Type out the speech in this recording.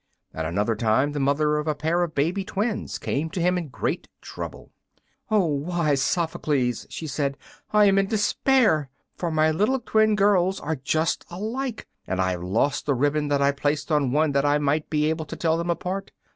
At another time the mother of a pair of baby twins came to him in great trouble. "O most wise Sophocles!" she said, "I am in despair! For my little twin girls are just alike, and I have lost the ribbon that I placed on one that I might be able to tell them apart.